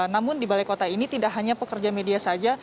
namun di balai kota ini tidak hanya pekerja media saja